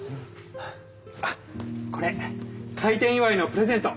あっこれ開店祝いのプレゼント。